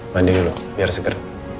mandi dulu biar segar